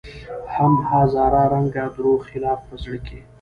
هم هزار رنګه دروغ خلاف په زړه کې